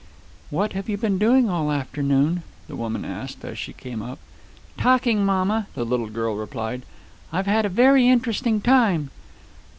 "What have you been doing all afternoon?" the woman asked, as she came up. "Talking, mamma," the little girl replied. "I've had a very interesting time."